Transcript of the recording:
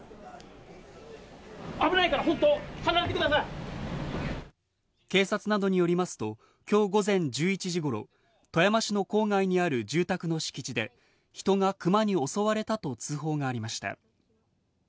危ないから、警察などによりますと、きょう午前１１時ごろ、富山市の郊外にある住宅の敷地で、人がクマに襲われたと通報がありました。